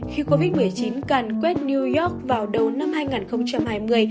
khi covid một mươi chín càn quét new york vào đầu năm hai nghìn hai mươi